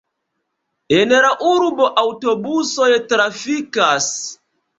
En la urbo aŭtobusoj trafikas.